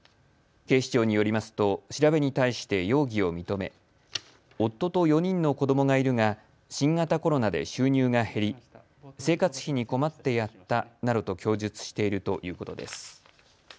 警視庁によりますと調べに対して容疑を認め夫と４人の子どもがいるが新型コロナで収入が減り生活費に困ってやったなどと供述しているということです。